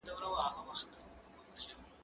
زه پرون د ښوونځی لپاره تياری وکړ!؟